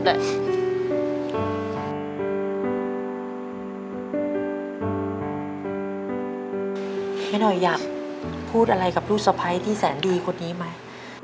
แม่หน่อยอยากพูดอะไรกับลูกสะพ้ายที่แสนดีคนนี้ไหม